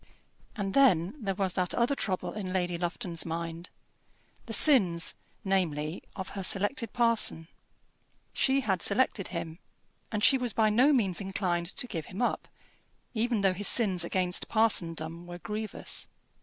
And then there was that other trouble in Lady Lufton's mind, the sins, namely, of her selected parson. She had selected him, and she was by no means inclined to give him up, even though his sins against parsondom were grievous.